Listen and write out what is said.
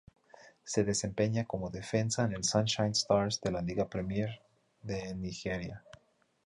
Se desempeña como defensa en el Sunshine Stars de la Liga Premier de Nigeria.